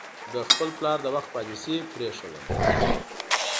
د خپل پلار د وخت پالیسي پرېښودله.